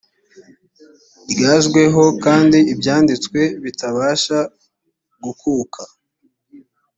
ryajeho kandi ibyanditswe bitabasha gukuka